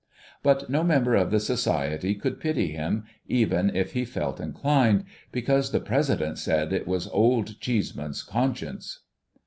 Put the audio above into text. But no member of the Society could pity him, even if he felt inclined, because the President said it was Old Cheeseman's conscience.